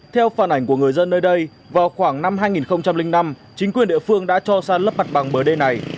theo phản ảnh của người dân nơi đây vào khoảng năm hai nghìn năm chính quyền địa phương đã cho san lấp mặt bằng bờ đê này